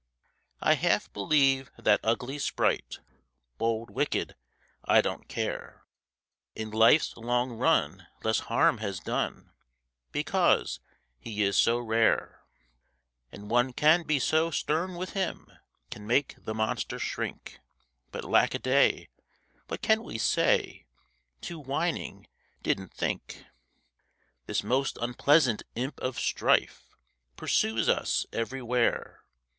I half believe that ugly sprite, Bold, wicked, 'I don't care,' In life's long run less harm has done Because he is so rare; And one can be so stern with him, Can make the monster shrink; But, lack a day, what can we say To whining 'Didn't think'? This most unpleasant imp of strife Pursues us everywhere.